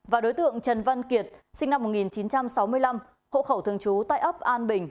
và đối tượng trần văn kiệt sinh năm một nghìn chín trăm sáu mươi năm hộ khẩu thường trú tại ấp an bình